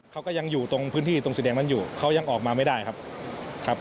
เขาก็ยังอยู่ตรงพื้นที่ตรงสีแดงนั้นอยู่เขายังออกมาไม่ได้ครับครับ